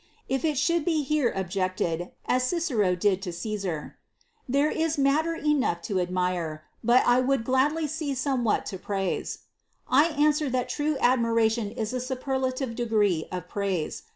If it should be here objected, as Cicero did to Csesar, ^ There is matter enough to admire, but I would gladly see somewhat to praise,' I answer that true admiration is a superlative degree of praise.